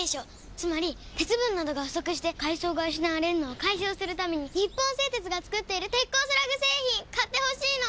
つまり鉄分などが不足して藻が失われるのを解消するために本製鉄が作っている鉄鋼スラグ製品ってほしいの！